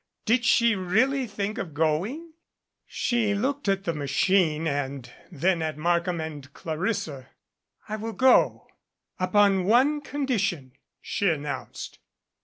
Did she really think of going? She looked at the machine and then at Markham and Clarissa. "I will go upon one condition," she announced.